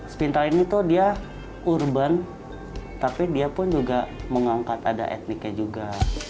spintal ini tuh dia urban tapi dia pun juga mengangkat ada etniknya juga